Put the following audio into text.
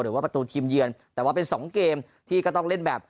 หรือว่าประตูทีมเยือนแต่ว่าเป็นสองเกมที่ก็ต้องเล่นแบบ